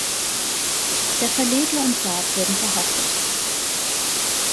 Der Verleger und Sade wurden verhaftet.